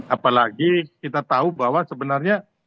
apalagi kita tahu bahwa sebenarnya